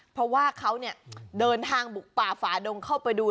เพราะว่าเขาเดินทางบุกป่าฝาดงเข้าไปดู